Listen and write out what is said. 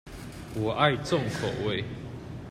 我愛重口味